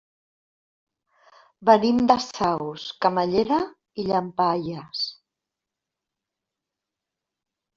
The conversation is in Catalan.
Venim de Saus, Camallera i Llampaies.